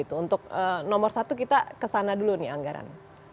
untuk nomor satu kita kesana dulu nih anggaran